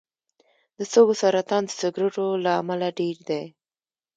د سږو سرطان د سګرټو له امله ډېر دی.